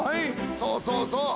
そうそうそう！